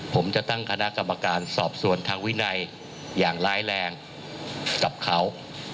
ผมจะตั้งคณะกรรมการสอบส่วนทางวินัยอย่างร้ายแรงกับเขา